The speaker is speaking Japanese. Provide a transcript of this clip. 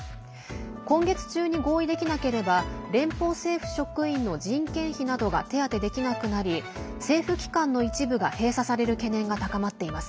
今月中に合意できなければ連邦政府職員の人件費などが手当てできなくなり政府機関の一部が閉鎖される懸念が高まっています。